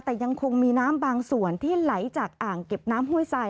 แต่ยังคงมีน้ำบางส่วนที่ไหลจากอ่างเก็บน้ำห้วยทราย